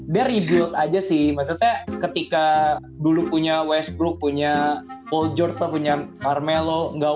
dia rebuild aja sih maksudnya ketika dulu punya westbrook punya paul george punya carmelo nggak